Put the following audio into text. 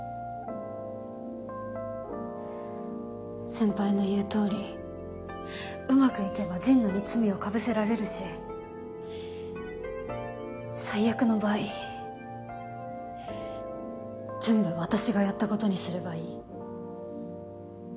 先輩の言う通りうまくいけば神野に罪をかぶせられるし最悪の場合全部私がやったことにすればいい。